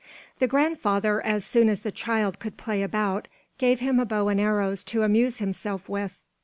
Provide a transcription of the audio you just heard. The grandfather, as soon as the child could play about, gave him a bow and arrows to amuse himself with.